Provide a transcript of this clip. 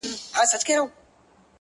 ليري له بلا سومه’چي ستا سومه’